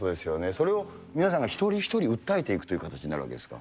それを皆さんが一人一人訴えていくという形になるわけですか。